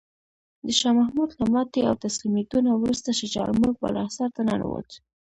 د شاه محمود له ماتې او تسلیمیدو نه وروسته شجاع الملک بالاحصار ته ننوت.